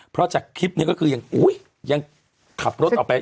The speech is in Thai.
เพราะจากคลิปนี้ก็คือยังขับรถออกไป